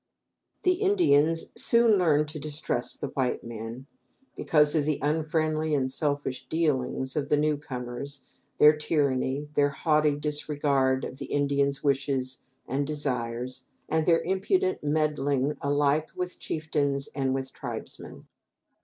The Indians soon learned to distrust the white men, because of the unfriendly and selfish dealings, of the new comers, their tyranny, their haughty disregard of the Indians' wishes and desires, and their impudent meddling alike with chieftains and with tribesmen.